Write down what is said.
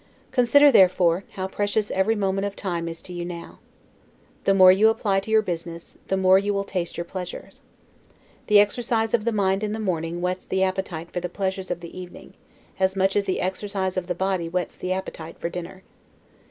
Consider, therefore, how precious every moment of time is to you now. The more you apply to your business, the more you will taste your pleasures. The exercise of the mind in the morning whets the appetite for the pleasures of the evening, as much as the exercise of the body whets the appetite for dinner.